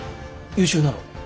優秀なの？